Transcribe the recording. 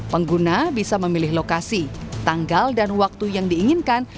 pengguna bisa memilih lokasi tanggal dan waktu yang diinginkan